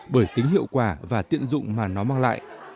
bởi tính hiệu quả và tiện dụng mà nó mang lại